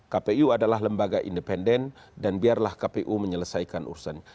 kpu adalah lembaga independen dan biarlah kpu menyelesaikan urusan